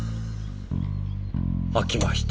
開きました。